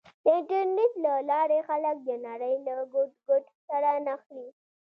د انټرنېټ له لارې خلک د نړۍ له ګوټ ګوټ سره نښلي.